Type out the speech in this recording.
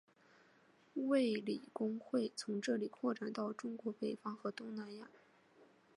卫理公会从这里扩展到中国北方和东南亚。